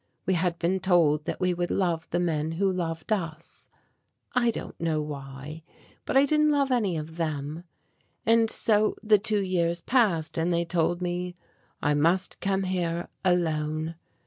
We had been told that we would love the men who loved us. I don't know why, but I didn't love any of them. And so the two years passed and they told me I must come here alone.